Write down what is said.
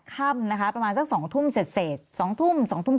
ค่ำนะคะประมาณสักสองทุ่มเสร็จเสร็จสองทุ่มสองทุ่ม